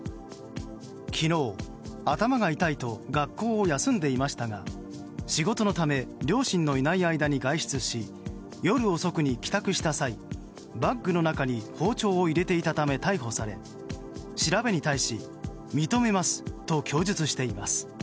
昨日、頭が痛いと学校を休んでいましたが仕事のため両親のいない間に外出し夜遅くに帰宅した際バッグの中に包丁を入れていたため逮捕され、調べに対し認めますと供述しています。